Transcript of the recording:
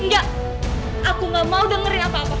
enggak aku gak mau dengerin apa apa